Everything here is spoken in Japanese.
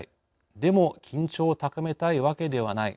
でも緊張を高めたいわけではない。